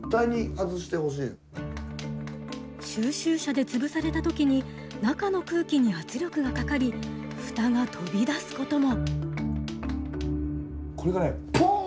収集車で潰された時に中の空気に圧力がかかり火災につながるごみも。